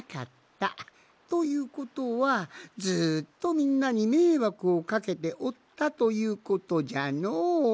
ということはずっとみんなにめいわくをかけておったということじゃのう。